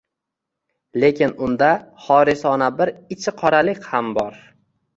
Lekin unda horisona bir ichi qoralik ham bor.